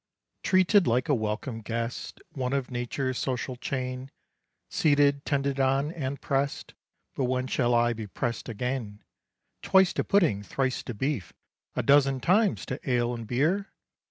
"Treated like a welcome guest, One of Nature's social chain, Seated, tended on, and press'd But when shall I be press'd again, Twice to pudding, thrice to beef, A dozen times to ale and beer?